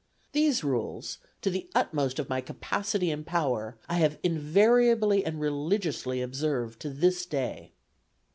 These rules, to the utmost of my capacity and power, I have invariably and religiously observed to this day."